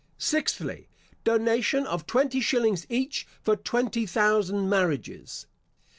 Sixthly, Donation of twenty shillings each for twenty thousand marriages.